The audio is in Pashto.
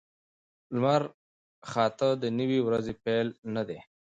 لمرخاته د نوې ورځې پیل نه دی.